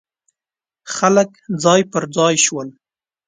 خلک ځای پر ځای شول.